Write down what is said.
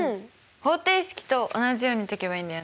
方程式と同じように解けばいいんだよね。